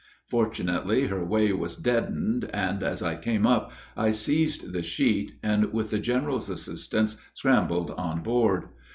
Fortunately, her way was deadened, and as I came up I seized the sheet, and with the general's assistance scrambled on board.